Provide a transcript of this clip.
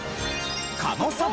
狩野さん